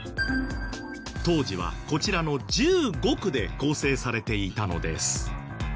当時はこちらの１５区で構成されていたのです。